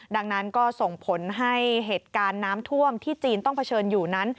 ดังนั้นก็ส่งผลให้เหตุการณ์น้ำท่วมที่จีนต้องเผชิญอยู่นั้น